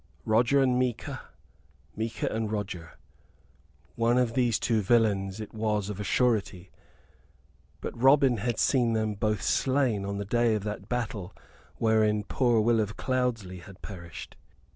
"Roger and Micah Micah and Roger." One of these two villains it was of a surety! But Robin had seen them both slain on the day of that battle wherein poor Will of Cloudesley had perished?